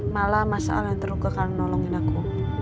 malah masalah yang terluka kalau nolongin aku